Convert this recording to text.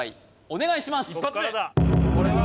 お願いします